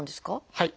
はい。